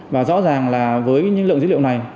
và rõ ràng là với những lượng dữ liệu này